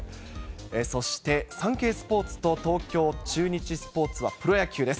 そして、サンケイスポーツと東京中日スポーツはプロ野球です。